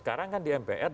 sekarang kan di mpr